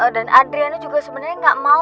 dan adriana juga sebenarnya gak mau